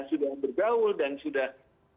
sudah bergaul dan sudah